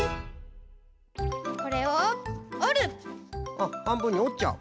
これをおる。